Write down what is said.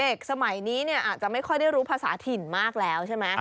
สมัยนี้เนี่ยอาจจะไม่ค่อยได้รู้ภาษาถิ่นมากแล้วใช่ไหม